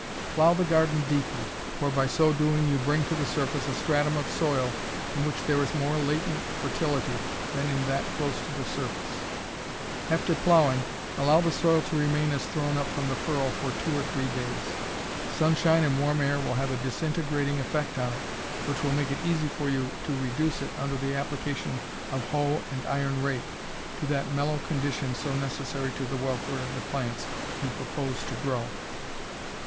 Plow the garden deeply, for by so doing you bring to the surface a stratum of soil in which there is more latent fertility than in that close to the surface. After plowing, allow the soil to remain as thrown up from the furrow for two or three days. Sunshine and warm air will have a disintegrating effect on it, which will make it easy for you to reduce it under the application of hoe and iron rake to that mellow condition so necessary to the welfare of the plants you propose to grow.